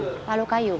sama palu kayu